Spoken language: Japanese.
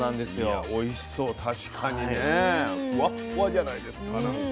いやおいしそう確かにねふわっふわじゃないですかなんか。